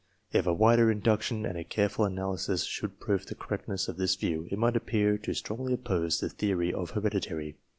If a wider induction and a careful analysis should prove the correctness of this view, it might appear to strongly oppose the theory of heredity.